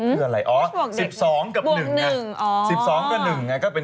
คืออะไรอ๋อสิบสองกับหนึ่งอ๋อสิบสองกับหนึ่งอ่ะก็เป็น